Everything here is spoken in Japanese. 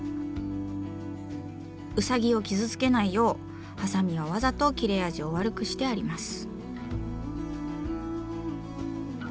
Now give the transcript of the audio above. ウサギを傷つけないようハサミはわざと切れ味を悪くしてあります。